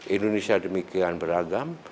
indonesia demikian beragam